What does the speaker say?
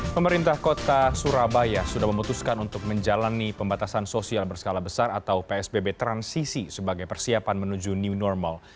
pemerintah kota surabaya sudah memutuskan untuk menjalani pembatasan sosial berskala besar atau psbb transisi sebagai persiapan menuju new normal